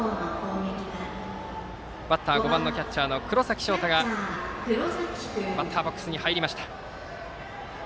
５番キャッチャーの黒崎翔太がバッターボックスに入りました。